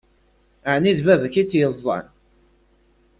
Ɛni d baba-k i tt-yeẓẓan?